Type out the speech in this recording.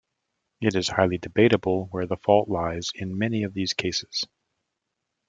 It is highly debatable where the fault lies in many of these cases.